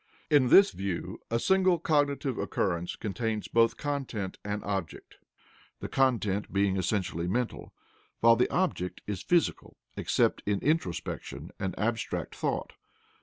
In this view a single cognitive occurrence contains both content and object, the content being essentially mental, while the object is physical except in introspection and abstract thought.